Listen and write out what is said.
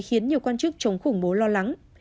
khiến nhiều quan chức chống khủng bố lo lắng